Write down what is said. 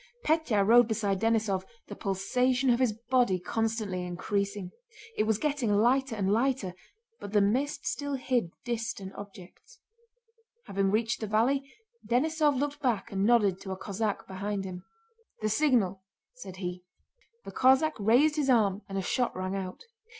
Pétya rode beside Denísov, the pulsation of his body constantly increasing. It was getting lighter and lighter, but the mist still hid distant objects. Having reached the valley, Denísov looked back and nodded to a Cossack beside him. "The signal!" said he. The Cossack raised his arm and a shot rang out.